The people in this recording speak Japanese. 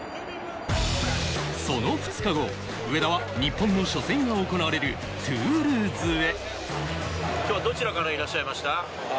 その２日後、上田は日本の初戦が行われるトゥールーズへ。